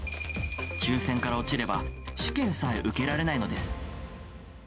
抽せんから落ちれば試験さえ受けられないのです。